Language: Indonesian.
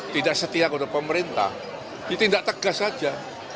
tidak setia kepada pemerintah ditindak tegas saja